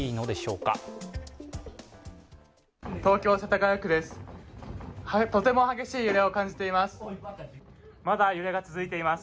東京・世田谷区です、とても激しい揺れを感じています。